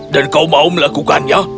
dan kau mau melakukannya